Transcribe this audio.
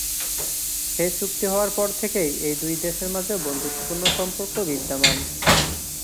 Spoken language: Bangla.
সেই চুক্তি হওয়ার পর থেকেই এই দুই দেশের মাঝে বন্ধুত্বপূর্ণ সম্পর্ক বিদ্যমান।